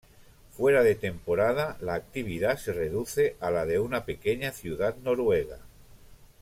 Fuera de temporada la actividad se reduce a la de una pequeña ciudad noruega.